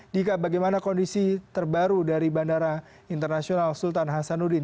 dika bagaimana kondisi terbaru dari bandara internasional sultan hasanuddin